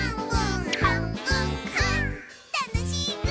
たのしいぐ！